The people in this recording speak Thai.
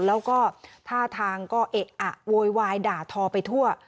แล้วก็ท่าทางก็เอะอะโวยวายด่าทอไปทั่ว